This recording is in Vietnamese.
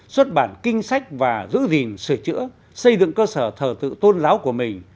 xuất bản kinh sách và giữ gìn sửa chữa xây dựng cơ sở thờ tự tôn giáo của mình